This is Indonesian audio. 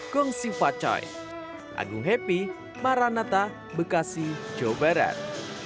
kongsi facoy agung happy maranatha bekasi jawa barat